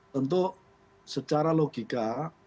tentu secara logika